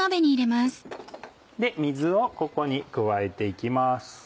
水をここに加えて行きます。